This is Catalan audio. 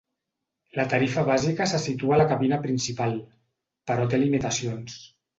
La tarifa bàsica se situa a la cabina principal, però té limitacions.